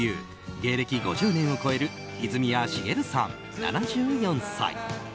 芸歴５０年を超える泉谷しげるさん、７４歳。